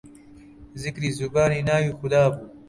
زیکری زوبانی ناوی خودابوو